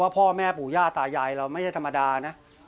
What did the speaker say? พ่อแม่ปู่ย่าตายายเราไม่ได้ธรรมดานะ